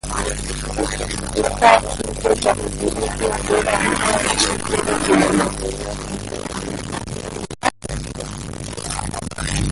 Kifaa kipya cha kudhibiti ubora wa hewa nchini humo kimefadhiliwa kwa kiasi na kampuni ya